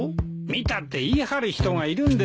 見たって言い張る人がいるんですよ。